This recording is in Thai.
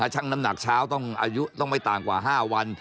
ช่างน้ำหนักเช้าต้องไม่ต่างกว่า๕วัน